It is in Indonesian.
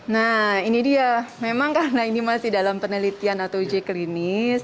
nah ini dia memang karena ini masih dalam penelitian atau uji klinis